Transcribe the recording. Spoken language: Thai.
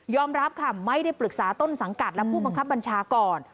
รับค่ะไม่ได้ปรึกษาต้นสังกัดและผู้บังคับบัญชาก่อน